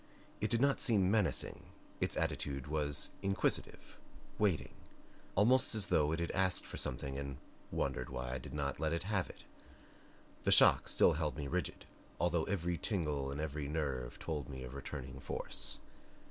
It did not seem menacing its attitude was inquisitive, waiting; almost as though it had asked for something and wondered why I did not let it have it. The shock still held me rigid, although a tingle in every nerve told me of returning force.